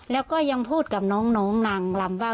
แล้วก็ยังพูดกับน้องนางลำว่า